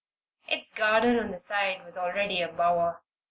Its garden on the side was already a bower.